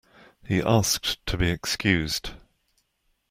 He asked to be excused